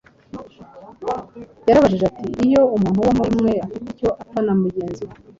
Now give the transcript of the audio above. Yarabajije ati: “Iyo umuntu wo muri mwe afite icyo apfa na mugenzi we,